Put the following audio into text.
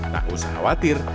tak usah khawatir